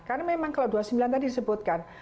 karena memang kalau dua puluh sembilan tadi disebutkan